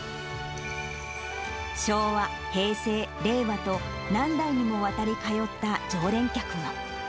昭和、平成、令和と、何代にもわたり通った常連客も。